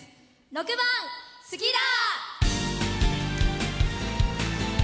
６番「好きだ。」。